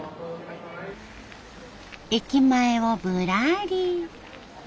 駅前をぶらり。